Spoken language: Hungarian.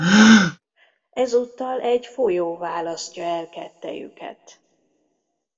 Ezúttal egy folyó választja el kettejüket.